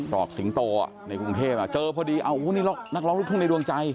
รอบสิงโตอ่ะในกรุงเทพฯเจอพอดีอ้ะอู้นี่นักร้องทุกในดวงใจ